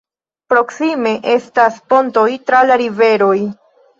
Proksime estas pontoj tra la riveroj.